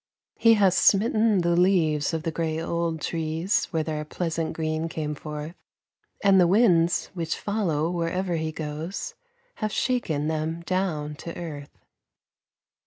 He has smitten the leaves of the gray old trees where their pleasant green came forth, And the winds, which follow wherever he goes, have shaken them down to earth.